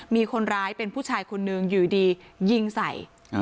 มีคนร้ายเป็นผู้ชายคนนึงอยู่ดียิงใส่